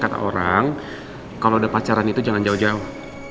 kata orang kalau ada pacaran itu jangan jauh jauh